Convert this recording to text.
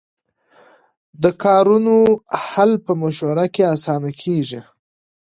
د کارونو حل په مشوره کې اسانه کېږي.